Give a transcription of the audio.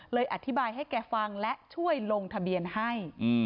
อธิบายให้แกฟังและช่วยลงทะเบียนให้